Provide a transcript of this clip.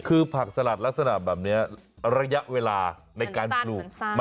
คือผักสลัดลักษณะแบบนี้ระยะเวลาในการปลูก